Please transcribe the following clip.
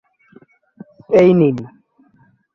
এই নিন।